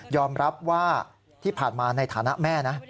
รับว่าที่ผ่านมาในฐานะแม่นะ